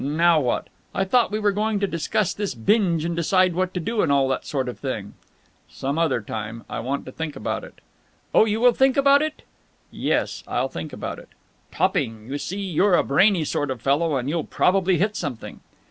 "Now what?" "I thought we were going to discuss this binge and decide what to do and all that sort of thing." "Some other time. I want to think about it." "Oh, you will think about it?" "Yes, I'll think about it." "Topping! You see, you're a brainy sort of fellow, and you'll probably hit something."